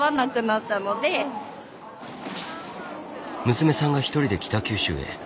娘さんが一人で北九州へ。